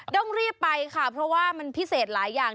ต้องรีบไปค่ะเพราะว่ามันพิเศษหลายอย่าง